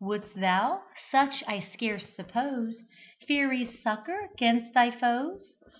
Would'st thou (such I scarce suppose) Fairy succour 'gainst thy foes?